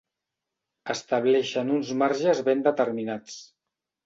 Estableixen uns marges ben determinats.